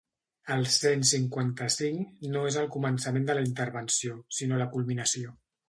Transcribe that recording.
El cent cinquanta-cinc no és el començament de la intervenció, sinó la culminació.